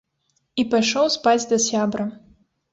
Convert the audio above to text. І пайшоў спаць да сябра.